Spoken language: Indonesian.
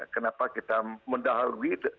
kenapa kita mendahului